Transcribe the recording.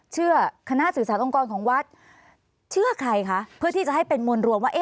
คณะสื่อสารองค์กรของวัดเชื่อใครคะเพื่อที่จะให้เป็นมวลรวมว่า